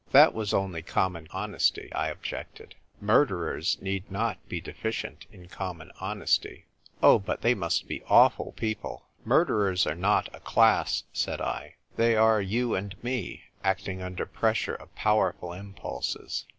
"That was only common honesty," I objected. " Murderers need not be deficient in common honesty." " Oh, but they must be awful people! " "Murderers are not a class," said I. "They are you and me, acting under pressure of powerful impulses."